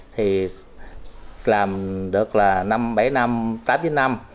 thì làm được là bảy năm tám chín năm